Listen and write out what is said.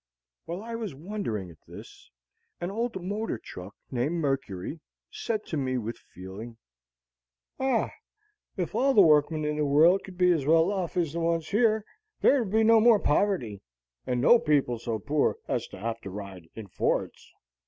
While I was wondering at this, an old motor truck named Mercury said to me with feeling: "Ah, if all the workmen in the world could be as well off as the ones here, there would be no more poverty, and no people so poor as to have to ride in fords!"